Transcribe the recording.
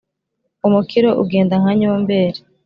umukiro ugenda nka nyomberi